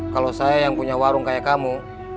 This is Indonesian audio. kalau saya yang punya warung kayak kamu